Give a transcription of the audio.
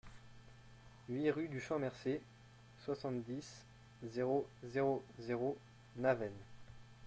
huit rue du Champ Mercey, soixante-dix, zéro zéro zéro, Navenne